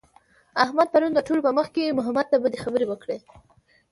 احمد پرون د ټولو په مخ کې محمود ته بدې خبرې وکړې.